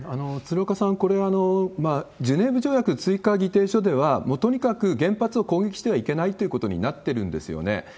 鶴岡さん、これ、ジュネーブ条約追加議定書では、もうとにかく原発を攻撃してはいけないということになってるんですよね。